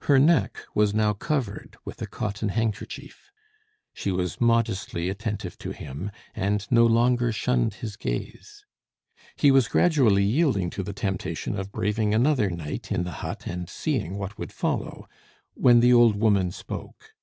Her neck was now covered with a cotton handkerchief. She was modestly attentive to him, and no longer shunned his gaze. He was gradually yielding to the temptation of braving another night in the hut, and seeing what would follow, when the old woman spoke.